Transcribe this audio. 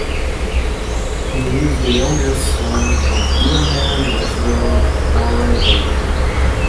He is the youngest son of billionaire investor Warren Buffett.